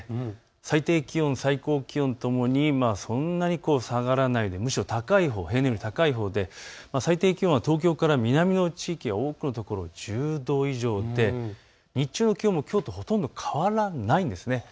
最低気温、最高気温ともにそんなに下がらない、むしろ平年より高いほうで最低気温は東京から南の地域、多くの所１０度以上で日中の気温もきょうとほとんど変わらないんです。